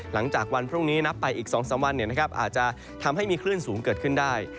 หลังจากวันพรุ่งนี้นับไปอีก๒๓วันอาจจะทำให้มีคลื่นสูงเกิดขึ้นได้